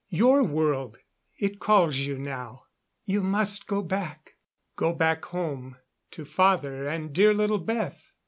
Your world it calls you now. You must go back." Go back home to father and dear little Beth!